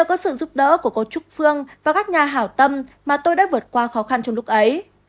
có sự giúp đỡ của cầu trúc phương và các nhà hảo tâm mà tôi đã vượt qua khó khăn trong lúc ấy